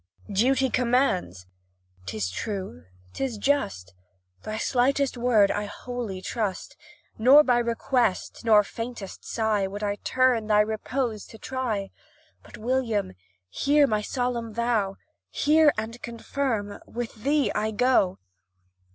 "Duty commands!" 'Tis true 'tis just; Thy slightest word I wholly trust, Nor by request, nor faintest sigh, Would I to turn thy purpose try; But, William, hear my solemn vow Hear and confirm! with thee I go.